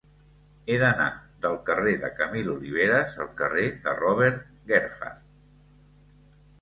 He d'anar del carrer de Camil Oliveras al carrer de Robert Gerhard.